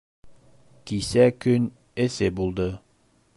Кисә көн эҫе булды.